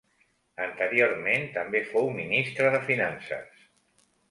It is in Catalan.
Anteriorment també fou ministre de finances.